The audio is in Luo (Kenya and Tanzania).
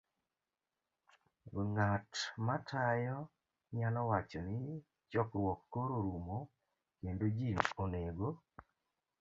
b- Ng'at matayo nyalo wacho ni chokruok koro rumo kendo ji onego